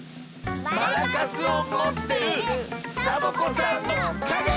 マラカスをもっているサボ子さんのかげ！